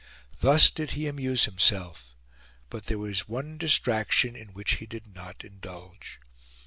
Thus did he amuse himself; but there was one distraction in which he did not indulge.